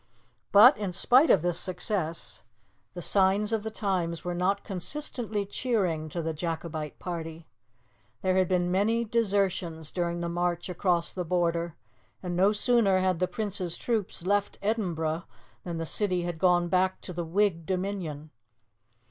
But in spite of this success the signs of the times were not consistently cheering to the Jacobite party. There had been many desertions during the march across the border, and no sooner had the Prince's troops left Edinburgh than the city had gone back to the Whig dominion.